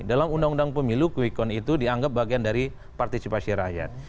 dalam undang undang pemilu quick count itu dianggap bagian dari partisipasi rakyat